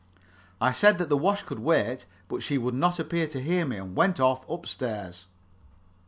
I said that the wash could wait, but she would not appear to hear me, and went off up stairs.